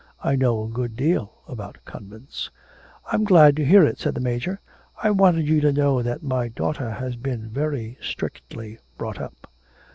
I know a good deal about convents.' 'I'm glad to hear it,' said the Major. 'I wanted you to know that my daughter has been very strictly brought up.'